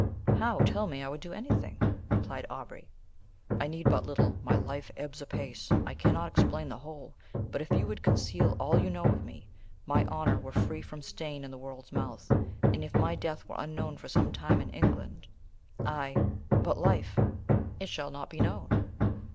"How? tell me how? I would do any thing," replied Aubrey. "I need but little my life ebbs apace I cannot explain the whole but if you would conceal all you know of me, my honour were free from stain in the world's mouth and if my death were unknown for some time in England I I but life." "It shall not be known."